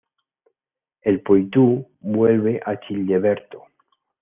El Poitou vuelve a Childeberto.